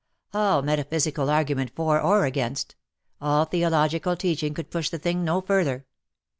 All metaphysical argument for or against — all theological teaching could push the thing no farther.